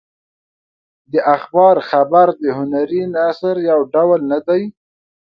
د اخبار خبر د هنري نثر یو ډول نه دی.